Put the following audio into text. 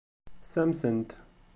Ssamsen-t.